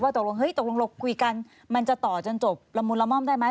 ว่าตกลงคุยกันมันจะต่อจนจบละมุนละม่อมได้ไหม